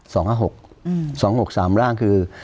สองห้าหกสามร่างคือ